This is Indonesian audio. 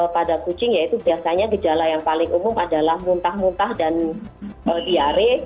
pada kucing yaitu biasanya gejala yang paling umum adalah muntah muntah dan diare